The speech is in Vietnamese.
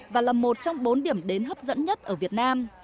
và là một trong bốn điểm đến hấp dẫn nhất ở việt nam